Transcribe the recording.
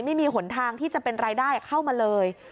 ไม่มีหนทางที่จะเป็นรายได้เข้ามาเลย